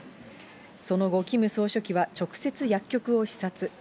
その後、キム総書記は直接薬局を視察。